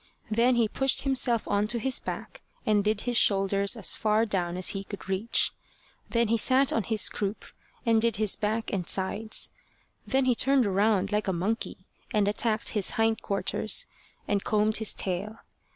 Then he pushed himself on to his back, and did his shoulders as far down as he could reach. Then he sat on his croup, and did his back and sides; then he turned around like a monkey, and attacked his hind quarters, and combed his tail.